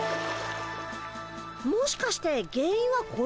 もしかして原因はこれ？